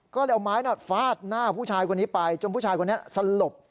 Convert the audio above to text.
ก็เลยเอาไม้ฟาดหน้าผู้ชายคนนี้ไปจนผู้ชายคนนี้สลบ